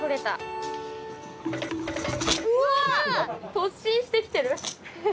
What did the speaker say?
突進して来てる。